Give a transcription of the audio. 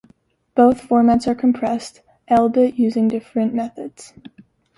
Both formats are compressed, albeit using different methods.